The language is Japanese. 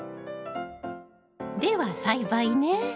では栽培ね。